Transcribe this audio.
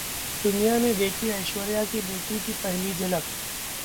दुनिया ने देखी ऐश्वर्या की बेटी की पहली झलक